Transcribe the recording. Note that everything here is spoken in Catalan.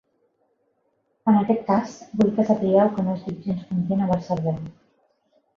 En aquest cas, vull que sapigueu que no estic gens content amb el servei.